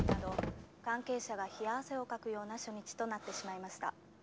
「関係者が冷や汗をかくような初日となってしまいました」